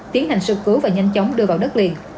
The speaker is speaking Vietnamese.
tiến hành sơ cứu và nhanh chóng đưa vào đất liền